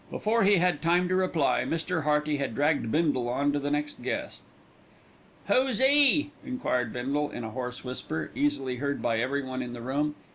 Before he had time to reply Mr. Hearty had dragged Bindle on to the next guest. "Who's 'e?" enquired Bindle in a hoarse whisper, easily heard by everyone in the room.